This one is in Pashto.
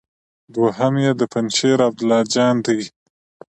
دوهم يې د پنجشېر عبدالله جان دی.